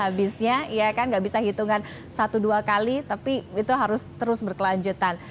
habisnya ya kan nggak bisa hitungan satu dua kali tapi itu harus terus berkelanjutan